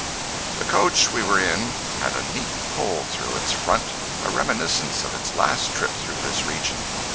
The coach we were in had a neat hole through its front—a reminiscence of its last trip through this region.